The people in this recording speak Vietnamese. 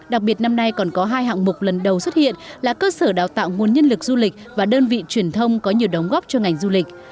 đặc biệt năm nay còn có hai hạng mục lần đầu xuất hiện là cơ sở đào tạo nguồn nhân lực du lịch và đơn vị truyền thông có nhiều đóng góp cho ngành du lịch